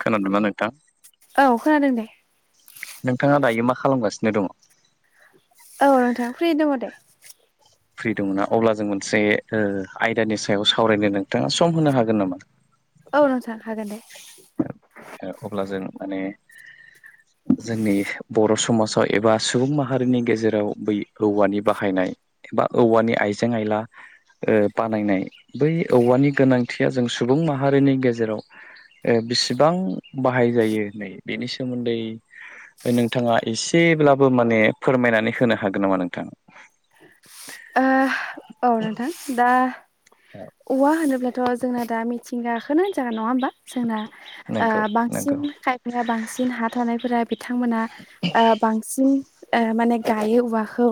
खोनादों ना नोंथां? औ खोनादों दे नोंथाङा दायो मा खालामगासिनो दङ? औ नोंथां फ्रियै दङ दे। फ्रि दंना? अब्ला जों मोनसे आयदानि सायाव सावरायनो नोंथाङा सम होनो हागोन नामा? औ र सार अब्ला जों माने जोंनि बर' समाजाव एबा सुबुं माहारिनि गेजेराव बै औवानि बाहायनाय एबा औवानि आइजें आइला बानायनाय बै औवानि गोनांथिया जों सुबुं माहारिनि गेजेराव बेसेबां बाहाय जायो नै बेनि सोमोन्दै नोंथाङा एसे ब्लाबो माने फोरमायनानै होनो हागोन नामा नोंथां। ओ औ नोंथां दा औवा होनोब्लाथ' जोंना दा मिथिंगाखोनो होनजागोन नङा होमबा जोंना नंगौ बांसिन नंगौ खायफाया बांसिन हा थानायफोरा बिथांमोना बांसिन माने गायो औवाखौ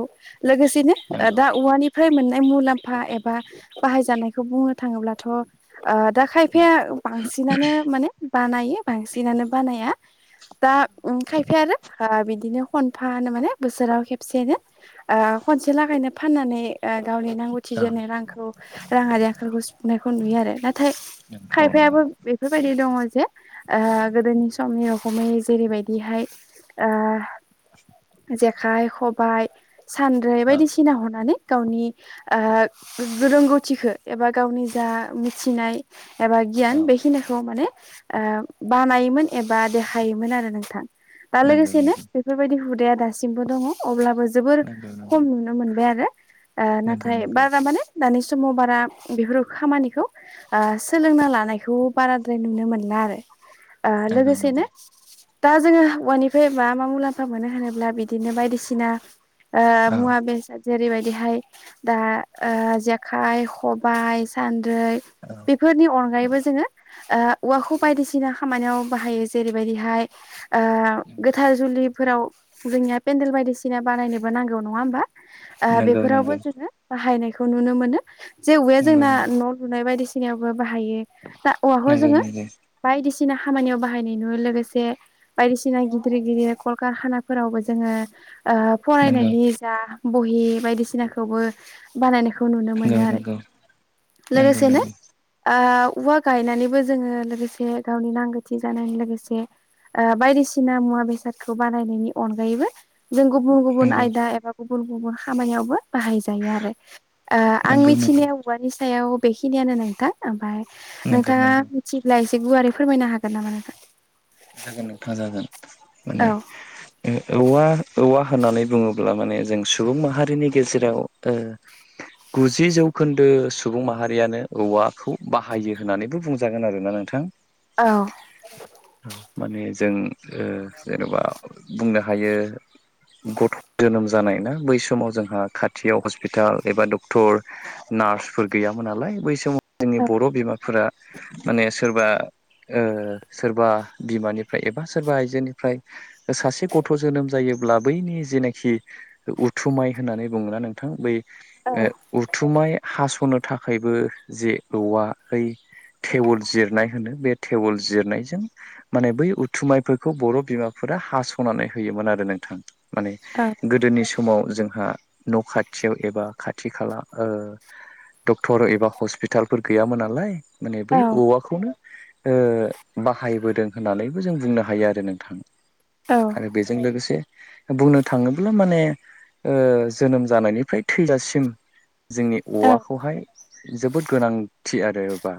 लोगोसेनो नंगौ दा औवानि फ्राय मोननाय मुलाम्फा एबा बाहायजानायखौ बुंनो थाङोब्लाथ' दा खायफाया बांसिनानो माने बानायो बांसिनानो बानाया दा खायफा आरो बिदिनो खनफा माने बोसोराव खेबसेयैनो खनसे लागैनो फाननानै गावनि नांगौथि जानाय रांखौ सनाय नु आरो नाथाय नंगौ खायफाबो बेफोरबायदि दङ गोदोनि समनि रखमै जेरैबायदिहाय जेखाइ खबाइ सानद्रि औ बायदिसिना हनानै गावनि रोंगौथि मिथिखो एबा गावनि जा मिथिनाय एबा गियान औ बेखिनिखौ माने बानायोमोन एबा देखायोमोन आरो नोंथां दा नंगौ लोगोसेनो नंगौ बेफोरबायदि हुदाया दासिमबो दङ अब्लाबो जों जोबोर नंगौ नंगौ खम नुनो मोनबाय आरो ओ नंगौ नाथाय नंगौ बारा माने दानि समाव बारा बेफोर खामानिखौ सोलोंना लानायखौ बाराद्राय नुनो मोनला आरो ओ नंगौ लोगोसेनो नंगौ दा जोङो औवानिफ्रायबा मा मा मुलाम्फा मोनो होनोब्ला बिदिनो बायदिसिना ओ औ मुवा बेसाद जेरैबायदिहाय दा ओ जे जेखाइ खबाय सान्द्रै औ बेफोरनि नंगौ अनगायैबो जोङो ओ औवाखौ बायदिसिना खामानियाव बाहायो जेरैबायदिहाय ओ गोथार जुलिफोराव जोंनिया पेन्देल बायदिसिना बानायनोबा नांगौ नङा होमबा ओ नंगौ बेफोरावबो नंगौ जोङो बाहायनायखौ नुनो मोनो जे औवाया नंगौ जोंना न' लुनाय बायदिसिनायावबो बाहायो दा औवाखौ नंगौ नंगौ जोङो बायदिसिना बायदिसिना खामानियाव बाहायनाय नुयो लोगोसे बायदिसिना गिदिर गिदिर कलकारखानाफोरावबो जोङो ओ नंगौ फरायनायनि जा बहि बायदिसिनाखौबो बानायनायखौ न यो नंगौ आरो नंगौ नंगौ लोगोसेनो ओ औवा गायनानै ओ बायदिसिना मुवा बेसादखौ बानायनायनि अनगायैबो जों गुबुन गुबुन नंगौ आयदा एबा गुबुन गुबुन खामानियावबो बाहाय जायो आरो आं नंगौ मिथिनाया औवानि सायाव बेखिनियानो नोंथां ओमफाय नंगौ नोंथाङा नंगौ मिथिब्ला एसे जागोन नोंथां जागोन औ मिथियो औ माने ओ औवा औवा होननानै बुङोब्ला माने जों सुबुं माहारिनि गेजेराव गुजि जौखोन्दो सुबुं माहारियानो औवाखौ बाहायो होननानैबो बुंजागोन औ माने जों ओ जेन'बा बुंनो हायो गथ' जोनोम जानाय ना बै समाव जोंहा खाथियाव हस्टपिताल एबा डक्टर नार्सफोर गैयामोन नालाय बै समाव जोंनि बर' बिमाफोरा माने सोरबा ओ सोरबा बिमानिफ्राय एबा सोरबा आइजोनिफ्राय सासे गथ' जोनोम जायोब्ला बैनि जेनाखि उथुमाय हास'नो थाखायबो जे औवा है टेवोल जिरनाय होनो बे टेवोल जिरनायजों माने बै उथुमायफोरखौ बर' बिमाफोरा हास'नानै होयोमोन आरो नोंथां माने गोदोनि समाव जोंहा न' खाथियाव एबा खाथि खाला ओ डक्टर एबा हस्पिटालफोर गैयामोन नालाय माने बै औवाखौनो ओ बाहायबोदों होननानैबो जों बुंनो हायो आरो नोंथां आरो बेजों लोगोसे बुंनो थाङोब्ला माने ओ जोनोम जानायनिफ्राय थैजासिम जोंनि औवाखौहाय जोबोद गोनांथि आरो बा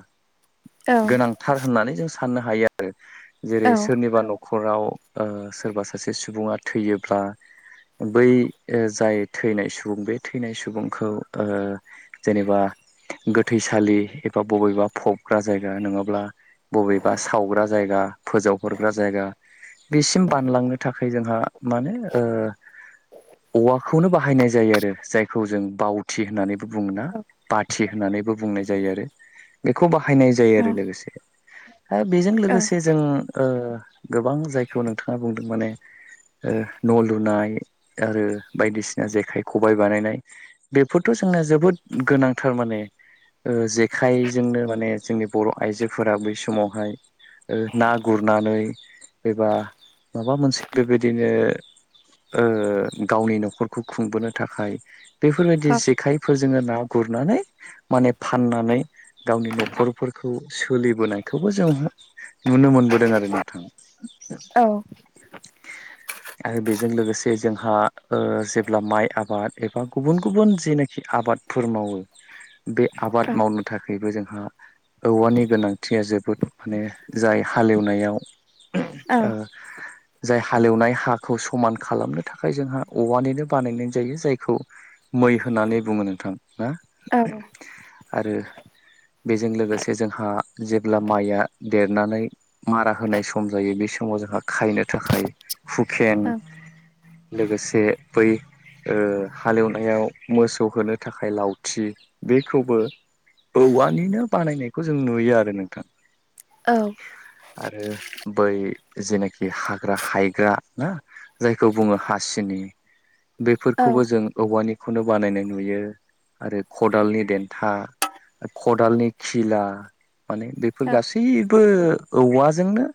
गोनांथार होननानै जों साननो हायो आरो जेरै सोरनिबा न'खराव सोरबा सासे सुबुङा थैयोब्ला बै जाय थैनाय सुबुं बे थैनाय सुबुंखौ ओ जेनेबा गोथैसालि एबा बबेबा फबग्रा जायगा नङाब्ला बबेबा सावग्रा जायगा फोजावहरग्रा जायगा बेसिम बानलांनो थाखाय जोंहा माने ओ औवाखौनो बाहायनाय जायो आरो जायखौ जों बावथि होननानै बुङो ना बाथि होननानैबो बुंनाय जायो आरो बेखौ बाहायनाय जायो औ आरो लोगोसे बेजों लोगोसे जों ओ गोबां जायखौ नोंथाङा बुंदों माने ओ न' लुनाय आरो बायदिसिना जेखाइ खबाय बानायनाय बेफोरथ' [unintelligible] जोबोद गोनांथार माने ओ जेखाइजोंनो माने जोंनि बर' आइजोफोरा बै समावहाय ना गुरनानै एबा माबा मोनसे बेबायदिनो ओ गावनि न'खरखौ खुंबोनो थाखाय बेफोरबायदि जेखाइफोर जोङो ना गुरनानै माने फाननानै गावनि न'खरफोरखौ सोलिबोनायखौबो जोंहा नुनो मोनबोदों आरो नोंथां। औ। आरो बेजों लोगोसे जोंहा ओ जेब्ला माइ आबाद एबा गुबुन गुबुन जेनाखि आबादफोर मावो बे आबाद मावनो थाखायबो जोंहा औवानि गोनांथिया जोबोद माने जाय हालेवनायाव ओ जाय हालेवनाय हाखौ समान खालामनो थाखाय जोंहा औवानिनो बानायनाय जायो जायखौ मै होननानै बुङो नोंथां ना आरो बेजों लोगोसे जोंहा जेब्ला माइया देरनानै मारा होनाय सम जायो बे समाव जोंहा खायनो थाखाय हुकेन लोगोसे बै ओ हालेवनायाव मोसौ होनो थाखाय लावथि बेखौबो औवानिनो बानायनायखौ जों नुयो आरो नोंथां। आरो बै जेनाखि हाग्रा हायग्रा ना जायखौ बुङो हासिनि। बेफोरखौबो जों औवानिखौनो बानायनाय नुयो आरो खदालनि देन्था खदालनि खिला माने बेफोर गासै बो औवाजोंनो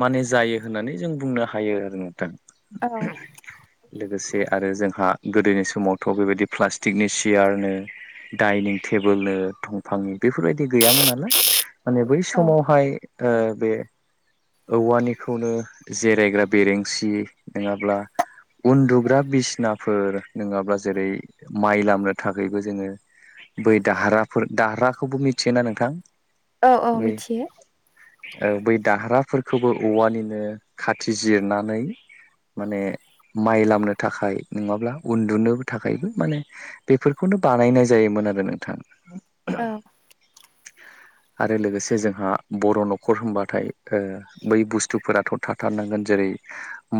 माने जायो होननानै जों बुंनो हायो आरो नोंथां। औ। लोगोसे आरो जोंहा गोदोनि समावथ' बेबायदि प्लास्टिकनि सियार नो डाइनिं टेबोल नो दंफांनि बेफोरबायदि गैयामोन नालाय माने बै समावहाय ओ बे औवानिखौनो जिरायग्रा बेरेंसि नङाब्ला उन्दुग्रा बिसनाफोर नङाब्ला जेरै माइ लामनो थाखायबो जोङो बै दाहाराफोर दाहाराखौबो मिथियोना नोंथां? औ औ बै मिथियो। ओ बै दाह्राफोरखौबो औवानिनो खाथि जिरनानै माने माइ लामनो थाखाय नङाब्ला उन्दुनोबो थाखायबो माने बेफोरखौनो बानायनाय जायोमोन। आरो नोंथां। औ। आरो लोगोसे जोंहा बर' न'खर होनबाथाय ओ बै बुस्थुफोराथ' थाथारनांगोन जेरै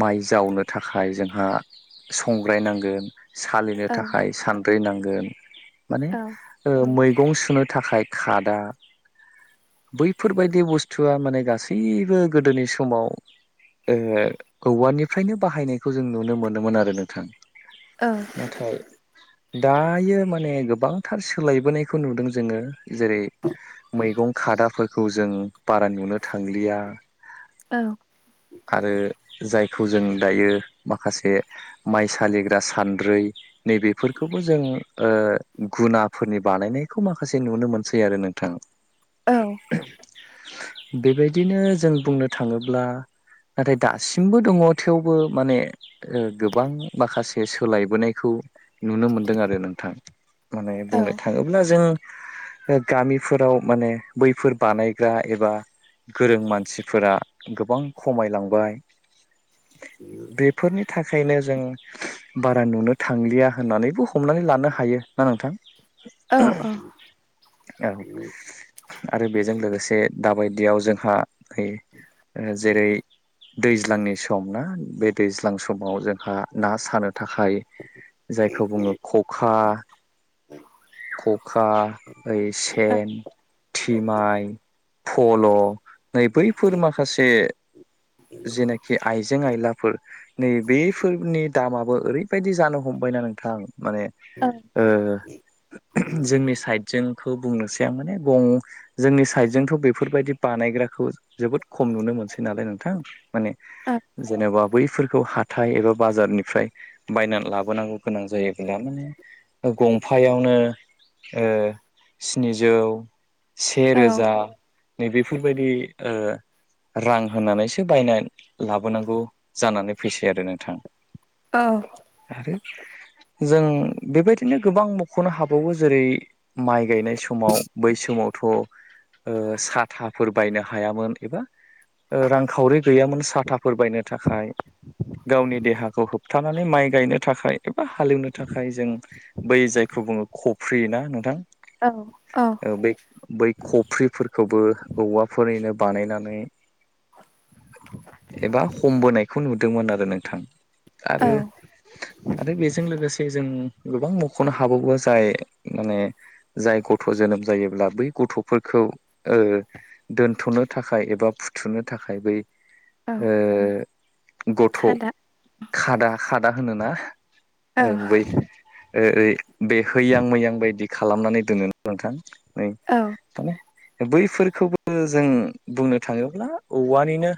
माइ जावनो थाखाय जोंहा संग्राय नांगोन। सालिनो थाखाय सानद्रि नांगोन माने मै गं सुनो थाखाय खादा। बैफोरबायदि बुस्थुआ माने गासैबो गोदोनि समाव ओ औवानिफ्रायनो बाहायनायखौ जों नुनो मोनोमोन आरो नोंथां। नाथाय दायो माने गोबांथार सोलायबोनायखौ नुदों जोङो जेरै मैगं खादाफोरखौ जों बारा नुनो थांलिया औ। आरो जायखौ जों दायो माखासे माइ सालिग्रा सान्द्रै नै बेफोरखौबो जों ओ गुनाफोरनि बानायनायखौ माखासे नुनो मोनसै आरो नोंथां। औ। बेबायदिनो जों बुंनो थाङोब्ला नाथाय दासिमबो दङ थेवबो माने गोबां माखासे सोलायबोनायखौ नुनो मोनदों आरो नोंथां। माने बुंनो थाङोब्ला जों गामिफोराव माने बैफोर बानायग्रा एबा गोरों मानसिफोरा गोबां खमायलांबाय। बेफोरनि थाखायनो जों बारा नुनो थांलिया होननानैबो हमनानै लानो हायो। ना नोंथां औ। आरो बेजों लोगोसे दाबायदियाव जोंहा है ओ जेरै दैज्लांनि सम ना बे दैज्लां समाव जोंहा ना सानो थाखाय जायखौ बुङो खखा खखा ओइ सेन थिमाइ, फल' नै बैफोर माखासे जेनाखि आइजें आयलाफोर नै बेफोरनि दामाबो ओरैबायाददि जानो हम बायना नोंथां माने ओ जोंनि साइडजोंखौ बुंनोसै आं माने गं जोंनि साइडजोंथ' बेफोरबायदि बानायग्राखौ जोबोद खम नुनो मोनसै नालाय नोंथां। माने जेनेबा बैफोरखौ हाथा थाय एबा बाजारनिफ्राय बायनानै लाबोनांगौ गोनां जायो माने गंफायावनो ओ ओ स्निजौ से रोजा नै बेफोरबायदि ओ रां होनानैसो बायना लाबोनांगौ जानानै फैसै आरो नोंथां। औ। [inaudible] जों बेबायदिनो गोबां मख'नो हाबावो जेरै माइ गायनाय समाव बै समाव थ' ओ साथाफोर बायनो हायामोन एबा ओ रांखावरि गैयामोन साथाफोर बायनो थाखाय। गावनि देहाखौ होबथानानै माइ गायनो थाखाय एबा हालेवनो थाखाय जों बै जायखौ बुङो खफ्रि ना नोंथां। ओं औ। बै खफ्रिफोरखौबो औवाफोरनिनो बानायनानै एबा हमबोनायखौ नुदोंमोन आरो नोंथां औ आरो आरो बेजों लोगोसे जों गोबां मख'नो हाबावो जाय माने जाय गथ' जोनोम जायोब्ला बै गथ'फोरखौ ओ दोनथ'नो थाखाय एबा फुथुनो थाखाय बै औ ओ गथ' खादा खादा खादा होनोना, औ ओ बै ओ ओय बे हैैयां मैयां बायदि खालामनानै दोनो ना नोंथां। नै औ माने बैफोरखौबो जों बुंनो थाङोब्ला औवानिनो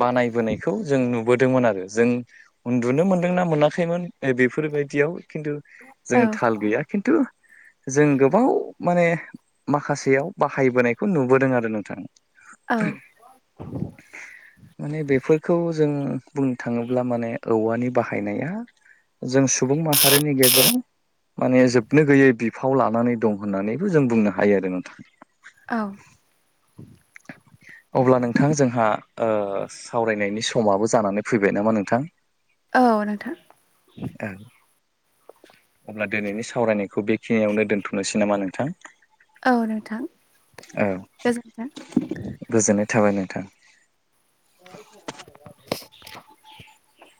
बानायबोनायखौ जों नुबोदोंमोन आरो जों उन्दुनो मोनदोंना मोनाखैमोन नै बेफोर बायदियाव खिन्थु जों थाल गैया खिन्थु जों गोबाव माने माखासेयाव बाहाय बोनायखौ नुबोदों आरो नोंथां। औ। माने बेफोरखौ जों बुंनो थाङोब्ला माने औवानि बाहायनाया जों सुबुं माहारिनि गेजेराव माने जोबनो गैयै बिफाव लानानै दं होननानैबो जों बुंनो हायो आरो नोंथां। औ। अब्ला नोंथां जोंहा ओ सावरायनायनि समाबो जानानै फैबाय नामा नोंथां? औ नोंथां। औ अब्ला दिनैनि सावरायनायखौ बेखिनियावनो दोनथ'नोसै नामा नोंथां? औ नोंथां औ गोजोन्थों गोजोननाय थाबाय नों थां। [inaudible]